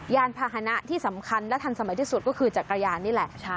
ยานพาหนะที่สำคัญและทันสมัยที่สุดก็คือจักรยานนี่แหละ